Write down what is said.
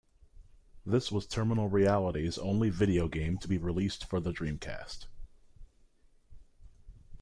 This was Terminal Reality's only video game to be released for the Dreamcast.